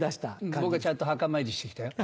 僕はちゃんと墓参りして来たよ。